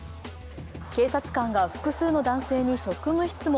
警察官が複数の男性に職務質問。